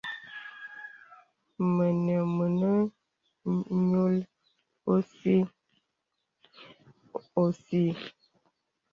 Mə̀nə̀ mə̀nə̀ ǹyùl òsì.